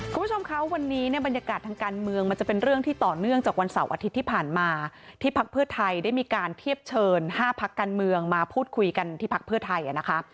คุณผู้ชมคะวันนี้เนี่ยบรรยากาศทางการเมืองมันจะเป็นเรื่องที่ต่อเนื่องจากวันเสาร์อาทิตย์ที่ผ่านมาที่พักเพื่อไทยได้มีการเทียบเชิญ๕พักการเมืองมาพูดคุยกันที่พักเพื่อไทยนะคะ